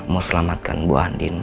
mau selamatkan bu andin